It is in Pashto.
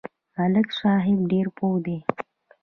ملک صاحب ډېر پوه دی.